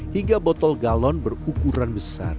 hingga botol galon berukuran besar